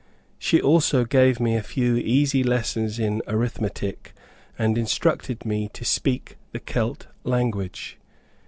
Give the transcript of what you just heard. She also gave me a few easy lessons in arithmetic, and instructed me to speak the Celt language.